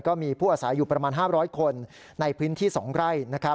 ก็มีผู้อาศัยอยู่ประมาณ๕๐๐คนในพื้นที่๒ไร่